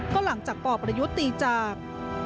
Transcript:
ก็หลังจากปประยุทธ์ตีจาก